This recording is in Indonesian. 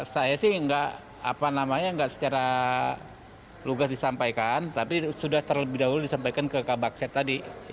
saya sih tidak secara lugas disampaikan tapi sudah terlebih dahulu disampaikan ke kabakset tadi